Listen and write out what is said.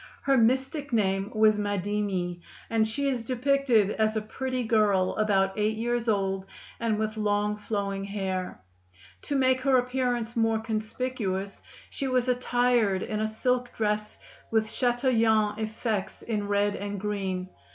Her mystic name was Madimi, and she is depicted as a pretty girl about eight years old, and with long flowing hair. To make her appearance more conspicuous, she was attired in a silk dress with chatoyant effects in red and green.